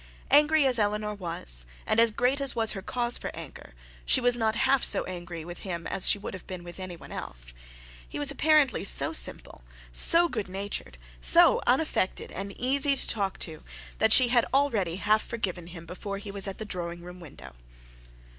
Angry as Eleanor was, and great as was her cause for anger, she was not half as angry with him as she would have been with any one else. He was apparently so simple, so good natured, so unaffected and easy to talk to, that she had already half forgiven him before he was at the drawing room window.